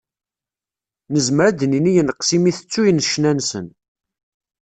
Nezmer ad d-nini yenqes imi tettuyen ccna-nsen.